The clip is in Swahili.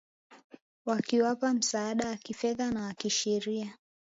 wakiwapa msaada wa kifedha na wa kisheria